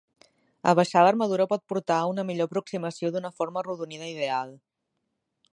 Abaixar l'armadura pot portar a una millor aproximació d'una forma arrodonida ideal.